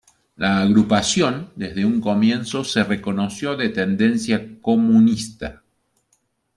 La agrupación desde un comienzo se reconoció de tendencia comunista.